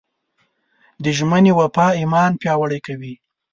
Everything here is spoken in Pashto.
د ژمنې وفا ایمان پیاوړی کوي.